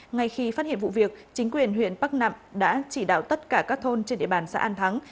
ngay khi phát hiện vụ việc chính quyền huyện bắc nẵm đã chỉ đạo tất cả các thôn trên địa bàn xã an thắng